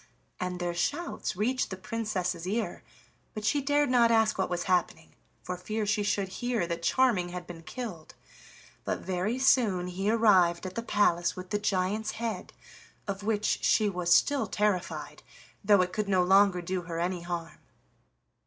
And their shouts reached the Princess's ear, but she dared not ask what was happening, for fear she should hear that Charming had been killed. But very soon he arrived at the palace with the giant's head, of which she was still terrified, though it could no longer do her any harm.